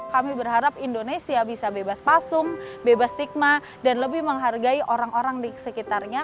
kami berharap indonesia bisa bebas pasung bebas stigma dan lebih menghargai orang orang di sekitarnya